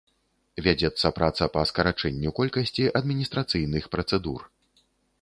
Вядзецца праца па скарачэнню колькасці адміністрацыйных працэдур.